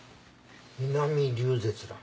ミナミリュウゼツラン。